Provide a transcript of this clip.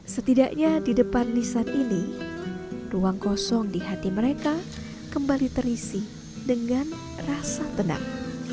setidaknya di depan lisan ini ruang kosong di hati mereka kembali terisi dengan rasa tenang